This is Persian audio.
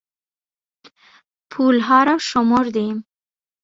پولها را شمردیم.